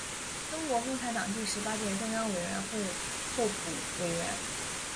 中国共产党第十八届中央委员会候补委员。